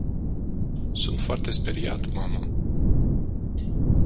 Sunt foarte speriat, mama.